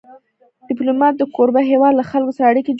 ډيپلومات د کوربه هېواد له خلکو سره اړیکې جوړوي.